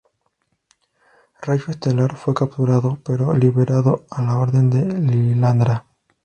Rayo Estelar fue capturado, pero fue liberado a la orden de Lilandra.